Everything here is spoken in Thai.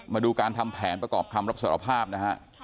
มาดูการทำแผนประกอบคำรับสารภาพนะฮะ